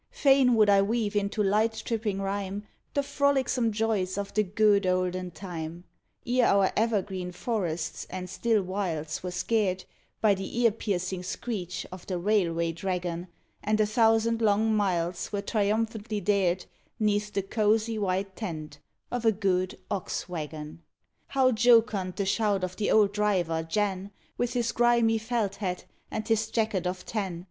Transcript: Fain would I weave into light tripping rhyme The frolicsome joys of the good olden time, Ere our evergreen forests and still wilds were scared By the ear piercing screech of the Railway Dragon And a thousand long miles were triumphantly dared 'Neath the cosy white tent of a good Ox wagon How jocund the shout of the old driver, Jan, With his grimy felt hat, and his jacket of tan.